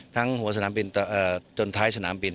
หัวสนามบินจนท้ายสนามบิน